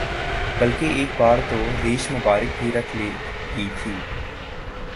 بلکہ ایک بار تو ریش مبارک بھی رکھ لی تھی